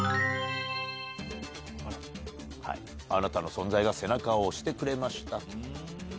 「あなたの存在が背中を押してくれました」。